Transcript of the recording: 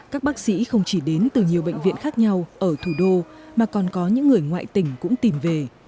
các bác sĩ không chỉ đến từ nhiều bệnh viện khác nhau ở thủ đô mà còn có những người ngoại tỉnh cũng tìm về